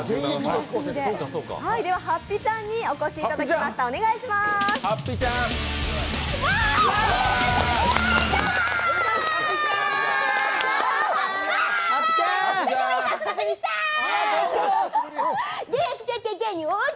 はっぴちゃんにお越しいただきました、お願いします。わ！